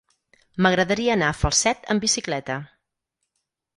M'agradaria anar a Falset amb bicicleta.